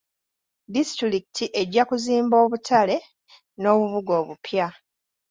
Disitulikiti ejja kuzimba obutale n'obubuga obupya.